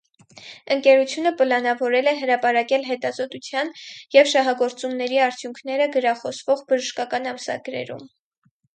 Ընկերությունը պլանավորել է հրապարակել հետազոտության և շահագործումների արդյունքները գրախոսվող բժշկական ամսագրերում։